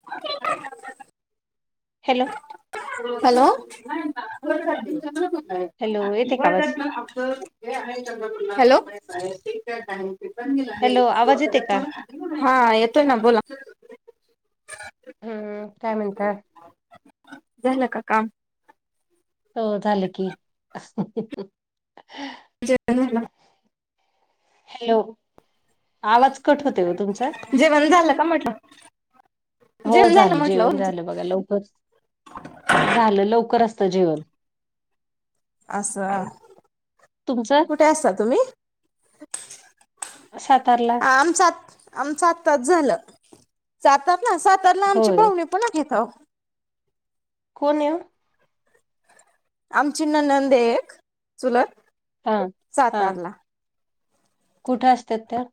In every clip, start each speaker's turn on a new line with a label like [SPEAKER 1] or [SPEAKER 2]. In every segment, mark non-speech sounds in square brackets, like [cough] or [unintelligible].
[SPEAKER 1] [inaudible]
[SPEAKER 2] Hello.
[SPEAKER 1] Hello.
[SPEAKER 2] Hello येते का आवाज
[SPEAKER 1] [unintelligible] हॅलो.
[SPEAKER 2] हॅलो आवाज येते का?
[SPEAKER 1] [unintelligible] हा येतोय ना बोला.
[SPEAKER 2] हम्म काय म्हणताय?
[SPEAKER 1] झालं का काम?
[SPEAKER 2] हो झालं की.
[SPEAKER 1] जेवण झालं?
[SPEAKER 2] हॅलो आवाज कट होते ओ तुमचा.
[SPEAKER 1] वण झालं का म्हटलं?
[SPEAKER 2] हो
[SPEAKER 1] जेवण
[SPEAKER 2] झालं
[SPEAKER 1] म्हटलं हो
[SPEAKER 2] जेवण
[SPEAKER 1] तुमचं
[SPEAKER 2] झालं बघा लवकर, झालं लवकर असतं जेवण.
[SPEAKER 1] असं
[SPEAKER 2] तुमचं
[SPEAKER 1] कुठे असता तुम्ही?
[SPEAKER 2] सातारला.
[SPEAKER 1] आमचं आमचं आत्ताचं झालं. सातारला सातारला आमची
[SPEAKER 2] होय
[SPEAKER 1] पाहुणे पण आहेत अहो.
[SPEAKER 2] कोणये ओ?
[SPEAKER 1] आमची नणंद एक चुलत.
[SPEAKER 2] हा हा
[SPEAKER 1] सातारला
[SPEAKER 2] कुठे असतेत त्या?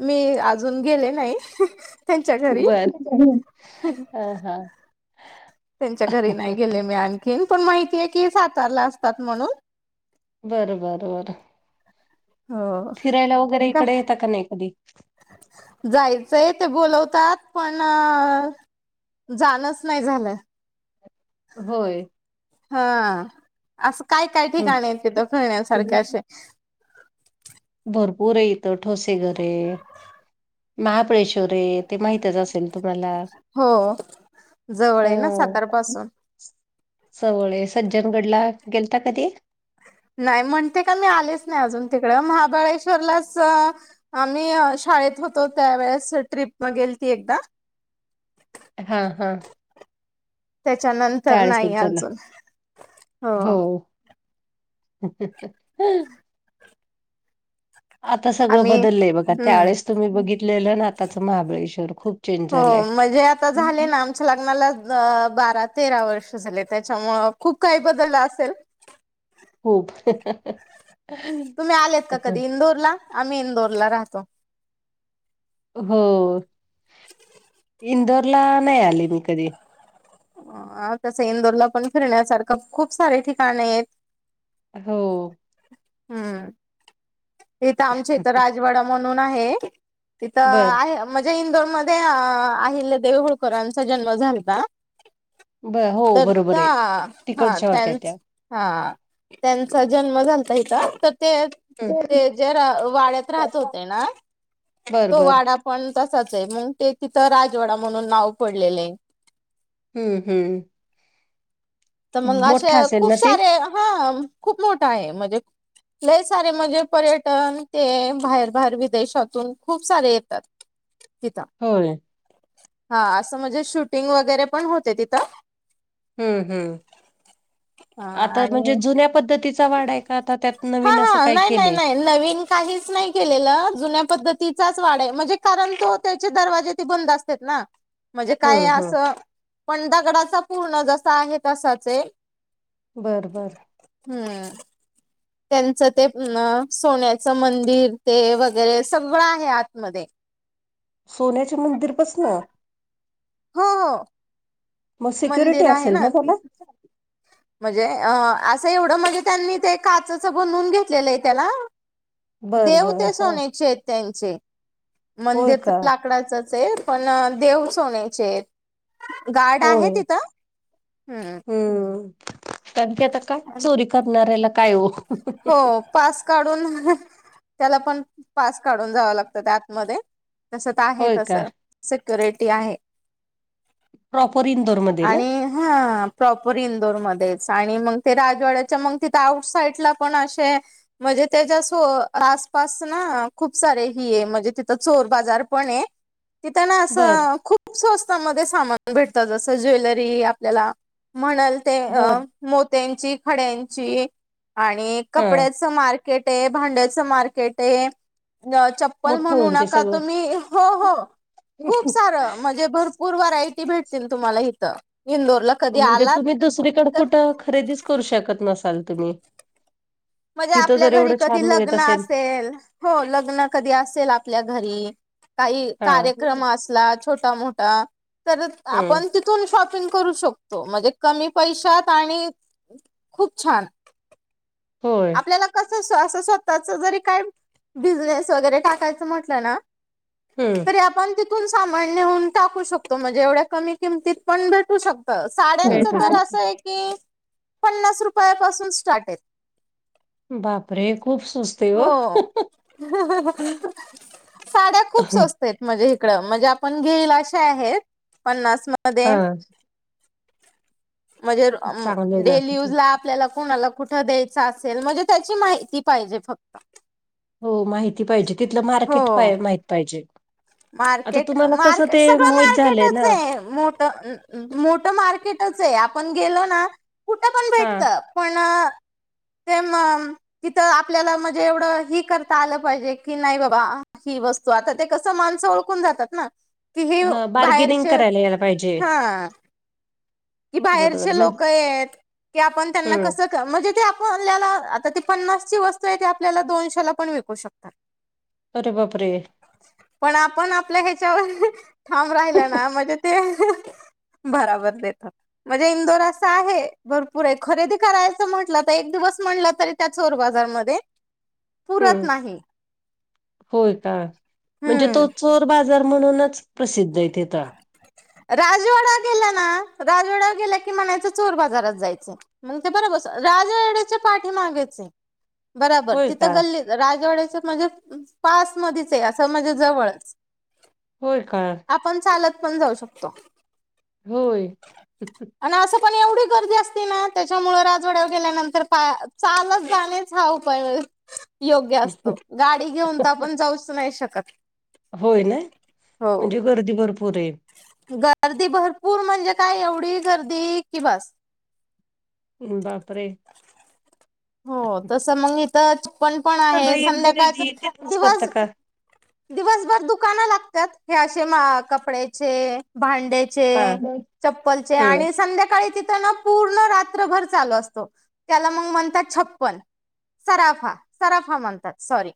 [SPEAKER 1] मी अजून गेले नाही. त्यांच्या घरी
[SPEAKER 2] बर हा हा.
[SPEAKER 1] त्यांच्या घरी नाही गेले मी आणखीन पण माहिती आहे की सातारला असतात म्हणून.
[SPEAKER 2] बरं बर बरं
[SPEAKER 1] हो.
[SPEAKER 2] फिरायला वगैरे
[SPEAKER 1] काय
[SPEAKER 2] इकडे येता का नाही कधी
[SPEAKER 1] जायचंय ते बोलवतात पण जाणच नाही झालं
[SPEAKER 2] होय
[SPEAKER 1] असं काय काय
[SPEAKER 2] हम्म.
[SPEAKER 1] ठिकाण हाइत तिथ फिरण्यासारखे अशे
[SPEAKER 2] भरपूर हाय इथ ठोसे घरये महाबळेश श्वर आहे ते माहितच असेल तुम्हाला
[SPEAKER 1] हो जवळ
[SPEAKER 2] हा
[SPEAKER 1] आहे ना सातार पासून
[SPEAKER 2] सवळे सज्जनगडला गेलता कधी
[SPEAKER 1] नाही म्हणते का मी आलेच नाही अजून तिकडं महाबळेश्वरलाच आम्ही शाळेत होतो त्यावेेळेस ट्रिप गेलती एकदा
[SPEAKER 2] हा हा
[SPEAKER 1] त्याच्यानंतर नाही
[SPEAKER 2] झालं.
[SPEAKER 1] अजून हो
[SPEAKER 2] [unintelligible] आता सगळं
[SPEAKER 1] आम्ही
[SPEAKER 2] बदललंय बघा
[SPEAKER 1] हम्म
[SPEAKER 2] त्यावेळेस तुम्ही बघितलेलं ना आताच महाबळेश्वर खूप चेंज झालंय
[SPEAKER 1] ते आता झाले ना आमच्या लग्नाला बारा तेरा वर्ष झाले त्याच्यामूळ खूप काही बदललं असेल
[SPEAKER 2] खूप
[SPEAKER 1] तुम्ही आलेत का कधी इंदोरला आम्ही इंदोरला राहतो
[SPEAKER 2] हू
[SPEAKER 1] [inaudible]
[SPEAKER 2] इंदोरला नाही आले मी कधी
[SPEAKER 1] तस इंदोरला पण फिरण्यासारखं खूप सारे ठिकाण आहेत
[SPEAKER 2] हो
[SPEAKER 1] हू इथं आमच्या इथ राजवाडा म्हणून आहे तिथं
[SPEAKER 2] बरं,
[SPEAKER 1] आहे म्हणजे इंदोरमध्ये अहिल्यादेवी होळकरांचा जन्म झालता
[SPEAKER 2] बरं. हो
[SPEAKER 1] तर
[SPEAKER 2] बरोबर
[SPEAKER 1] त्या
[SPEAKER 2] आहे.
[SPEAKER 1] हा
[SPEAKER 2] तिकडच्या होत्या त्या.
[SPEAKER 1] त्यांच हा त्यांचा जन्म झालता इथ तर ते
[SPEAKER 2] हं.
[SPEAKER 1] ते जे वाड्यात राहत होते ना
[SPEAKER 2] बरं,
[SPEAKER 1] तो
[SPEAKER 2] बरं.
[SPEAKER 1] वाडा पण तसाच आहे मग ते तिथं राजवाडा म्हणून नाव पडलेलंये
[SPEAKER 2] हू हू
[SPEAKER 1] तर मग अशे
[SPEAKER 2] असेल
[SPEAKER 1] खूप
[SPEAKER 2] ना ते?
[SPEAKER 1] सारे हा खूप मोठा आहे म्हणजे हे सारे म्हणजे पर्यटन ते बाहेर बाहेर विदेशातून खूप सारे येतात तिथं
[SPEAKER 2] होय
[SPEAKER 1] हा असं म्हणजे शूटिंग वगैरे पण होते तिथं
[SPEAKER 2] हू हू
[SPEAKER 1] हा
[SPEAKER 2] आता म्हणजे
[SPEAKER 1] आणि
[SPEAKER 2] जुन्या पद्धतीचा वाडा हाय
[SPEAKER 1] हा हा नाही नाही नाही नवीन काहीच नाही केलेलं जुन्या पद्धतीचाच वाडा आहे म्हणजे कारण तो त्याचे दरवाजे ते बंद असत त्यात ना म्हणजे काय
[SPEAKER 2] हम्म हम्म
[SPEAKER 1] असं पण दगडाचा पूर्ण जसा आहे तसाच ये
[SPEAKER 2] बरं बरं
[SPEAKER 1] हू त्यांचं ते सोन्याचं मंदिर ते वगैरे सगळं आहे आतमध्ये
[SPEAKER 2] सोन्याचे मंदिर पासन
[SPEAKER 1] हो -हो.
[SPEAKER 2] म सिक्युरिटी
[SPEAKER 1] मंदिर आहे
[SPEAKER 2] असेलं ना त्याला?
[SPEAKER 1] म्हणजे अ असं एवढं म्हणजे त्यांनी ते काचचं बनवून घेतलेलं आहे त्याला.
[SPEAKER 2] बर
[SPEAKER 1] देव
[SPEAKER 2] बर
[SPEAKER 1] ते
[SPEAKER 2] हा
[SPEAKER 1] सोनचे आहेत त्यांचे,
[SPEAKER 2] होय
[SPEAKER 1] मंदिरच
[SPEAKER 2] का
[SPEAKER 1] ला लाकडाचंच आहे पण देव सोन्याचे आहेत. गार्ड आहे तिथं? हम्म.
[SPEAKER 2] हम्म्, कारण की आता काय चोरी करणाऱ्याला काय ओ
[SPEAKER 1] हो पास काढून, त्याला पण पास काढून जावं लागतं का आतमध्ये? तसं त आहे
[SPEAKER 2] होय का
[SPEAKER 1] तसं सिक्युरिटी आहे.
[SPEAKER 2] प्रॉपर इंदोरमध्ये ना?
[SPEAKER 1] आणि हा प्रॉपर इंदोरमध्येचं आणि मगं ते राजवाड्याच्या मगं तिथं आउट-साईटला पण अशे म्हणजे त्याच्या सो आसपास ना खूप सारे ही ये, म्हणजे तिथं चोर बाजार पण ये. तिथं ना
[SPEAKER 2] बर
[SPEAKER 1] असं खूप खूप स्वस्तांमध्ये सामान भेटतं, जसं ज्वेलरी आपल्याला म्हणालं ते अ
[SPEAKER 2] बर
[SPEAKER 1] मोत्यांची, खड्यांची आणि
[SPEAKER 2] हा
[SPEAKER 1] कपड्याचं मार्केट ये, भांड्याचं मार्केट ये, चप्प प्पल
[SPEAKER 2] मोठं
[SPEAKER 1] म्हणू
[SPEAKER 2] म्हणजे
[SPEAKER 1] नका
[SPEAKER 2] सगळं
[SPEAKER 1] तुम्ही, हो- हो खूप सारं म्हणजे भरपूर व्हरायटी भेटतील तुम्हाला इथं इंदोरला. कधी
[SPEAKER 2] म्हणजे
[SPEAKER 1] आलात
[SPEAKER 2] तुम्ही दुसरीकडं
[SPEAKER 1] तर
[SPEAKER 2] कुठं खरेदीचं करू शकत नसालं तुम्ही?
[SPEAKER 1] म्हणजे
[SPEAKER 2] तिथं
[SPEAKER 1] आपल्या
[SPEAKER 2] जर
[SPEAKER 1] घरी
[SPEAKER 2] एवढं
[SPEAKER 1] कधी
[SPEAKER 2] छान मिळत
[SPEAKER 1] लग्न असेल? हो लग्न कधी असेल आपल्या घरी? काही
[SPEAKER 2] हा
[SPEAKER 1] कार्यक्रम असं ला छोटा- मोठा तर
[SPEAKER 2] हम्म
[SPEAKER 1] आपण ति तिथून शॉपिंग करू शकतो, म्हणजे कमी पैशात आणि खूप छान.
[SPEAKER 2] होय.
[SPEAKER 1] त्याला कसं असं स्वतःच जरी काय बिझनेस वगैरे टाकायचं म्हटलं ना
[SPEAKER 2] हम्म
[SPEAKER 1] ते आपण तिथून सामान नेऊन टाकू शकतो, म्हणजे एवढ्या कमी किमतीत पण भेटू शकत. साड्यांचं
[SPEAKER 2] भेटू
[SPEAKER 1] तर
[SPEAKER 2] शकते.
[SPEAKER 1] असं आहे की, पन्नास रुपयापासून स्टार्ट आहे.
[SPEAKER 2] बापरे खूप स्वस
[SPEAKER 1] हो, [unintelligible] साड्या खूप स्वस् स्त हेत म्हणजे इकडं म्हणजे आपण घेईलं अशा आहेत, पन्नास मध्ये
[SPEAKER 2] हा,
[SPEAKER 1] म्हणजे अं
[SPEAKER 2] चांगलं
[SPEAKER 1] मं
[SPEAKER 2] आहे ना.
[SPEAKER 1] डेली युजला आपल्याला कोणाला कुठं दे चा असेल म्हणजे त्याची माहिती पाहिजे फक्त
[SPEAKER 2] हो माहिती पाहिजे, तिथलं
[SPEAKER 1] हो
[SPEAKER 2] मार्केट पाय- माहित पाहिजे. आता
[SPEAKER 1] मार्केट-
[SPEAKER 2] तुम्हाला कसं ते
[SPEAKER 1] मार्केट सगळं
[SPEAKER 2] माहीत झालंय
[SPEAKER 1] मार्केटच
[SPEAKER 2] ना.
[SPEAKER 1] ये, मोठ मोठं मार्केटच ये, आपण गेलो ना कुठं पण भेटत.
[SPEAKER 2] हां,
[SPEAKER 1] पण अं ते मगं तिथं आपल्याला म्हणजे एवढं ही करता आलं पाहिजे, की नाही बाबा ही वस्तू आता ते कसं माणंस ओळखून जातात ना की
[SPEAKER 2] हां, बार्गेनिंग
[SPEAKER 1] बाहेरचे,
[SPEAKER 2] करायला यायला पाहिजे.
[SPEAKER 1] हा कि बाहेरचे
[SPEAKER 2] बरोबर म्हण
[SPEAKER 1] लोक आहेत की आपण त्यांना
[SPEAKER 2] हं.
[SPEAKER 1] कसं म्हणजे ते आपल्याला, आता ती पन्नासची वस्तू आहे ते आपल्याला दोनशे ला पण विकू शकतात. [inaudible]
[SPEAKER 2] अरे बापरे
[SPEAKER 1] पण आपण आपल्या ह्याच्यावर, ठाम राहिलं ना, म्हणजे ते भराबर देतात. मजे इंदोर असं आहे, भरपूरय. खरेदी करायचं म्हंटलं तर, एक दिवस म्हणलं तरी त्या चोर बाजारमधे
[SPEAKER 2] हम्म. होय का? म्हणजे
[SPEAKER 1] हम्म
[SPEAKER 2] तो चोर बाजा जार म्हणूनच, प्रसिद्धय तिथं.
[SPEAKER 1] राजवाडा गेला ना, राजवाड्यावर गेलं की, म्हणायचं चोर बाजारात जायचंय‌. मग ते बरोबर सो राजवाड्याच्या पाठीमागेचय. बराबर.
[SPEAKER 2] होय का?
[SPEAKER 1] तिथं गल्ली राजवाड्याच्या म्हजे, पास मधीचय. असं म्हजे, जवळच.
[SPEAKER 2] होय का?
[SPEAKER 1] आपण चालत पण जाऊ शकतो.
[SPEAKER 2] होय. [unintelligible]
[SPEAKER 1] अन् असं पण एवढी गर्दी असते ना, त्याच्यामुळं, राजवाड्यावर गेल्यानंतर पा चालत जाणे हा उपाय योग्य असतो. गाडी घेऊन तर आपण जाऊच नाही शकत.
[SPEAKER 2] होय नाय.
[SPEAKER 1] हो
[SPEAKER 2] म्हणजे गर्दी भरपूरय.
[SPEAKER 1] गर्दी भरपूर म्हणजे काय, एवढी गर्दी कि बस.
[SPEAKER 2] बापरे!
[SPEAKER 1] हो. तस मग इथं, चप्पन पण आहे
[SPEAKER 2] सगळी
[SPEAKER 1] संध्याकाळचं.
[SPEAKER 2] खरेदी त्यांनाच करता
[SPEAKER 1] दिवस
[SPEAKER 2] का?
[SPEAKER 1] दिवसभर दुकानं लागतात. हे असे म कपड्याचे, भांड्या चे,
[SPEAKER 2] हा
[SPEAKER 1] चप्पलचे
[SPEAKER 2] हम्म
[SPEAKER 1] आणि संध्याकाळी तिथं न पूर्ण रात्रभर चालू असतो. त्याला मग म्हणतात छप्पन. सराफा. सराफा म्हणतात. सॉरी.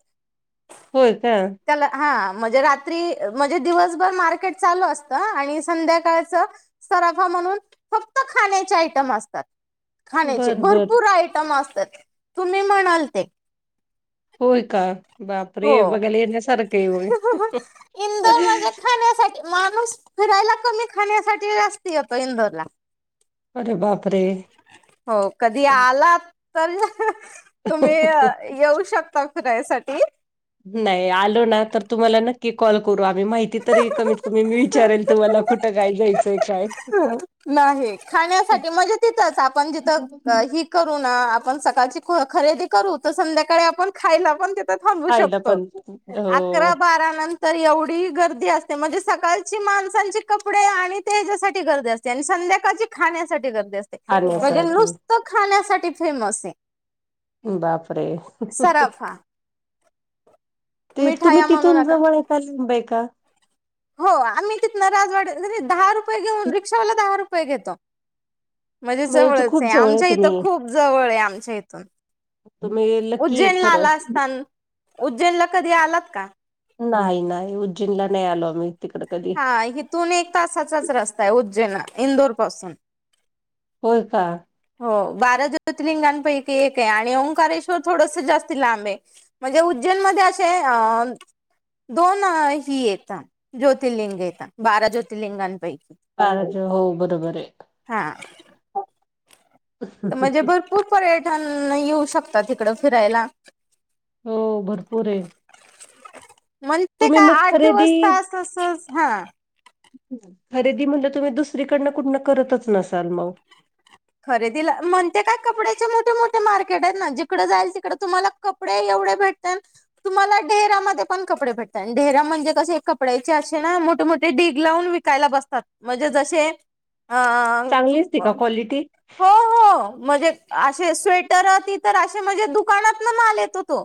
[SPEAKER 2] होय का?
[SPEAKER 1] त्याला हा, म्हजे रात्री, म्हजे दिवसभर मार्केट चालू असतं. आणि संध्याकाळचं सराफा म्हणून. फक्त खाण्याचे आयटम असतात. खाण्याचे,
[SPEAKER 2] बर बर
[SPEAKER 1] भरपूर आयटम असतात. तुम्ही म्हणाल ते.
[SPEAKER 2] होय का? बापरे!
[SPEAKER 1] हो
[SPEAKER 2] बघायला येण्यासारखंय मग.
[SPEAKER 1] इंदोर म्हणजे खाण्यासाठी माणूस फिरायला कमी, खाण्यासाठी जास्ती येतो इंदोरला.
[SPEAKER 2] अरे बापरे!
[SPEAKER 1] हो. कधी आलात तर [unintelligible] तुम्ही येऊ शकता, फिरायसाठी.
[SPEAKER 2] नाही. आलो ना तर, तुम्हाला नक्की कॉल करू आम्ही. माहिती तरी कमीत- कमी मी विचारेल तुम्हाला. कुठ काय घेयचंय?
[SPEAKER 1] नाही. खाण्यासाठी, म्हणजे तिथंच आपण जिथं, क ही करुना. आपण सकाळची क खरेदी करू. तर संध्याकाळी आपण खायला पण, तीत त थांबू
[SPEAKER 2] खायला
[SPEAKER 1] शकतो.
[SPEAKER 2] पण हो
[SPEAKER 1] अकरा- बाराला न तर एवढी गर्दी असते. म्हणजे सकाळची माणसांची कपडे आणि तेजासाठी गर्दी असते. आणि संध्याकाळची खाण्यासाठी गर्दी असते. म्हणजे
[SPEAKER 2] खाण्यासाठी
[SPEAKER 1] नुस्ती तं खाण्यासाठी फेमसय.
[SPEAKER 2] बापरे! [unintelligible]
[SPEAKER 1] सराफा
[SPEAKER 2] ते तुम्ही
[SPEAKER 1] मिठाया म्हणू
[SPEAKER 2] तिथून
[SPEAKER 1] नका
[SPEAKER 2] जवळय का? लांबय का?
[SPEAKER 1] हो. आम्ही तिथंनं, राजवाड्या री दहा रुपये घेऊन, रिक्षावाला दहा रुपये घेतो. म्हणजे
[SPEAKER 2] खूप
[SPEAKER 1] जवळचय.
[SPEAKER 2] जवळ आहे
[SPEAKER 1] आमच्या इथं,
[SPEAKER 2] तुम्ही,
[SPEAKER 1] खूप जवळय आमच्या इथून.
[SPEAKER 2] तुमि लक्कीय, खरं.
[SPEAKER 1] [unintelligible] उज्जैनला कधी आलात का?
[SPEAKER 2] नाही, नाही. उज्जैनला नाही आलो आम्ही. तिकडं कधी.
[SPEAKER 1] हा हिथून एक तासाचाच रस्ता आहे उज्जैना इंदोर पासून.
[SPEAKER 2] होय का?
[SPEAKER 1] हो बारा ज्योतर्लिंगांपैकी एक आहे आणि ओंकारेश्वर थोडस जास्त लांबे आहे. म्हणजे उज्जैन मध्ये असे अ दोन ही येत ना ज्योतिर्लिंग येत बारा ज्योतिर्लिंगांपैकी.
[SPEAKER 2] अग हो बरोबर आहे.
[SPEAKER 1] हा. म्हणजे भरपूर पर्यटन येऊ शकतात इकडं फिरायला?
[SPEAKER 2] हो भरपूर आहे.
[SPEAKER 1] म्हण ते
[SPEAKER 2] तुम्ही
[SPEAKER 1] का
[SPEAKER 2] मग
[SPEAKER 1] आठ
[SPEAKER 2] खरेदी
[SPEAKER 1] दिवस टास्क अस हा.
[SPEAKER 2] खरेदी म्हटलं तुम्ही दुसरीकडनं कुठण करतच नसाल मग?
[SPEAKER 1] खरेदीला म्हणते काय कपड्याचे मोठे, मोठे मार्केट आहेत ना जिकडं जाईल तिकडं तुम्हाला कपडे एवढे भेटतात तुम्हाला डेगरामध्ये पण कपडे भेतात डेगरा म्हणजे कसे कपड्याचे असे ना मोठे, मोठे डिग लावून विक विकायला बसतात म्हणजे जसे अ
[SPEAKER 2] चांगली असते का क्वालिटी
[SPEAKER 1] हो हो म्हणजे असे स्वेटर ते तर असे म्हणजे दुकानात ना माल येतो तो.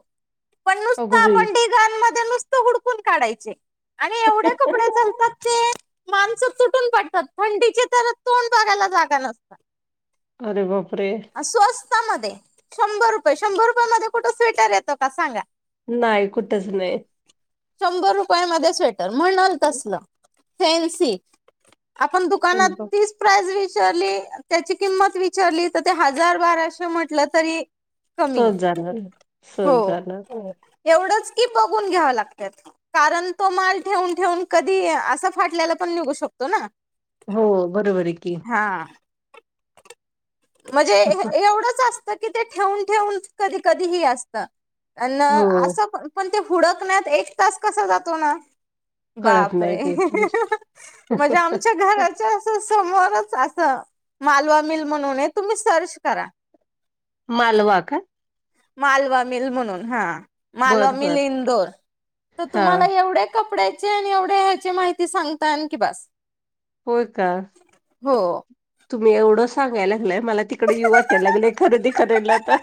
[SPEAKER 1] पण
[SPEAKER 2] अग बाई.
[SPEAKER 1] आपण ढिगान मध्ये नुसत हुडकून काढायचे आणि
[SPEAKER 2] कठ [unintelligible]
[SPEAKER 1] पडतात ते माणस तुटून पडतात थंडीचे तर तोंड बघायला जागा नसतात.
[SPEAKER 2] अरे बापरे.
[SPEAKER 1] स्वस्तमध्ये शंभर रुपये, शंभर रुपयामध्ये कुठे स्वेटर येतो का सांगा?
[SPEAKER 2] नाय कुठच नाय.
[SPEAKER 1] शंभर रुपयामध्ये स्वेटर म्हणल तसल फॅनसी. आपण दुकानात तीच प्राइस विचारली त्याची किंमत विचारली तर ते हजार बाराशे म्हटलं तरी कमी
[SPEAKER 2] सहज जाणार आहे,
[SPEAKER 1] हो
[SPEAKER 2] सहज जाणार हो.
[SPEAKER 1] एवढंच की बघून घ्यावं लागत्यात. कारण तो माल ठेवून, ठेवून कधी असा फाटल्याला पण निघू शकतो ना.
[SPEAKER 2] हो बरोबर आहे की.
[SPEAKER 1] हां. म्हणजे एवढंच असत की ते ठेवून, ठेवून कधी, कधी ही असतं. अन
[SPEAKER 2] हो
[SPEAKER 1] असं पण, पण ते हुडकण्यात एक तास कसा जातो ना
[SPEAKER 2] कळत नाही
[SPEAKER 1] बापरे
[SPEAKER 2] ते
[SPEAKER 1] म्हजे आमच्या घरात अस समोरच अस मालवा मिल म्हणून हाय तुम्ही सर्च करा.
[SPEAKER 2] मालवा काय?
[SPEAKER 1] मालवा मिल म्हणून हा. मालवा
[SPEAKER 2] बर
[SPEAKER 1] मील
[SPEAKER 2] बर
[SPEAKER 1] इंदोर तर
[SPEAKER 2] हा
[SPEAKER 1] तुम्हाला एवढे कपडे [unintelligible] एवढे ह्याची माहिती सांगतान की बास.
[SPEAKER 2] होय का? तुम्ही एवढं सांगायला लागलाय मला तिकडे येऊ वाटायला लागलंय खरेदी करायला आता.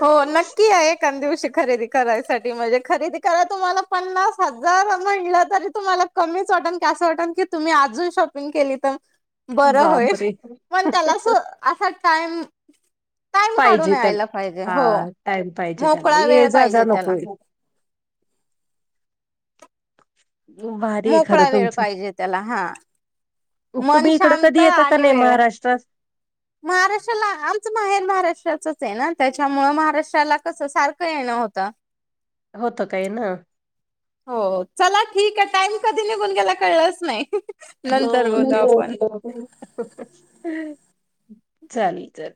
[SPEAKER 1] हो नक्की या एक एकान दिवशी खरेदी करायसाठी म्हणजे खरेदी करायला तुम्हाला पन्नास हजार म्हटलं तरी तुम्हाला कमीच वाटल कि असं वाटल की तुम्ही आजून शॉपिंग केली तर. बर होईल.
[SPEAKER 2] बापरे!
[SPEAKER 1] पण त्याला असं- असा टाइम टाइम काढून
[SPEAKER 2] पाहिजे त्यांला,
[SPEAKER 1] यायला पाहिजे हो
[SPEAKER 2] हा टाइम पाहिजे त्याला
[SPEAKER 1] मोकळा वेळ
[SPEAKER 2] ये जा-जा
[SPEAKER 1] पाहिजे
[SPEAKER 2] नको
[SPEAKER 1] त्याला
[SPEAKER 2] हे. भारी हे खरं
[SPEAKER 1] मोकळा वेळ
[SPEAKER 2] तुमचं.
[SPEAKER 1] पाहिजे त्याला हा
[SPEAKER 2] ऊ
[SPEAKER 1] मन
[SPEAKER 2] तुम्ही इकडं
[SPEAKER 1] शांत
[SPEAKER 2] कधी येता का
[SPEAKER 1] आणि
[SPEAKER 2] नाही
[SPEAKER 1] वेळ
[SPEAKER 2] महाराष्ट्रात?
[SPEAKER 1] महाराष्ट्राला आमचं माहेर महाराष्ट्राचच आहे ना, त्याच्यामूळ महाराष्ट्राला कसं सारखं येणं होतं.
[SPEAKER 2] होतं का येण?
[SPEAKER 1] हो, चला ठीक हे टाइम कधी निघून गेला कळलंच नाही.
[SPEAKER 2] हो
[SPEAKER 1] नंतर बोलू
[SPEAKER 2] तेच
[SPEAKER 1] आपण.
[SPEAKER 2] की, चालेल चालेल.